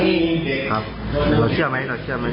เราเชื่อไหม